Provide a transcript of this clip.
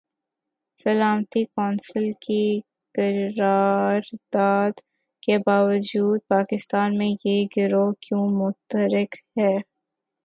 سلامتی کونسل کی قرارداد کے باجود پاکستان میں یہ گروہ کیوں متحرک ہیں؟